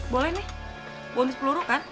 boleh nih bonus peluru kan